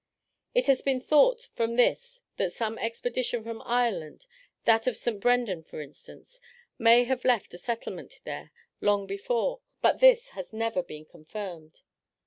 It has been thought from this that some expedition from Ireland that of St. Brandan, for instance may have left a settlement there, long before, but this has never been confirmed.